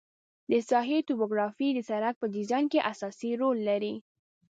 د ساحې توپوګرافي د سرک په ډیزاین کې اساسي رول لري